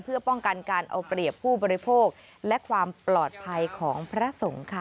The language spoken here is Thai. เพื่อป้องกันการเอาเปรียบผู้บริโภคและความปลอดภัยของพระสงฆ์ค่ะ